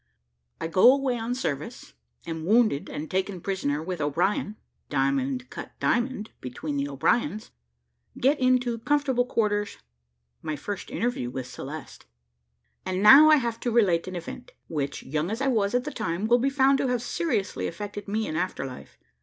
I GO AWAY ON SERVICE, AM WOUNDED AND TAKEN PRISONER WITH O'BRIEN DIAMOND CUT DIAMOND BETWEEN THE O'BRIENS GET INTO COMFORTABLE QUARTERS MY FIRST INTERVIEW WITH CELESTE. And now I have to relate an event, which, young as I was at the time, will be found to have seriously affected me in after life.